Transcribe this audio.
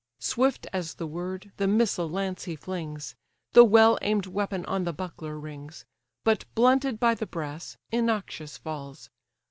Swift as the word the missile lance he flings; The well aim'd weapon on the buckler rings, But blunted by the brass, innoxious falls.